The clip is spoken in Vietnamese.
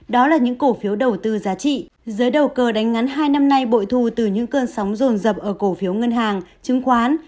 đó là những cổ phiếu đầu tư giá trị giới đầu cơ đánh ngắn hai năm nay bội thu từ những cơn sóng rồn rập ở cổ phiếu ngân hàng chứng khoán